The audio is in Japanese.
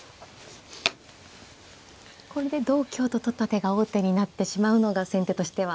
これで同香と取った手が王手になってしまうのが先手としては。